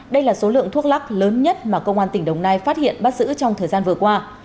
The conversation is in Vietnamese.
đây là số lượng thuốc lắc lớn nhất mà công an tỉnh đồng nai phát hiện bắt giữ trong thời gian vừa qua